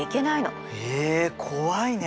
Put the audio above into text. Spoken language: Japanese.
え怖いね。